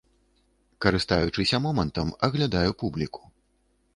Карыстаючыся момантам, аглядаю публіку.